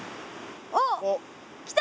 おっ来た！